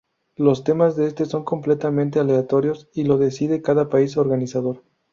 Los temas de este son completamente aleatorios y lo decide cada país organizador.